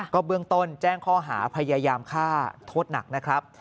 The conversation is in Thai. เบื้องต้นแจ้งข้อหาพยายามฆ่าโทษหนักนะครับ